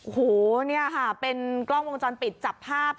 โอ้โหนี่ค่ะเป็นกล้องวงจรปิดจับภาพ